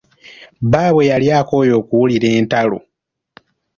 Bbaabwe yali akooye okuwulira entalo.